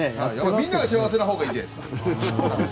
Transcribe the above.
みんなが幸せなほうがいいじゃないですか。